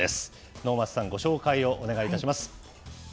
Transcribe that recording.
能町さん、ご紹介をお願いいたします。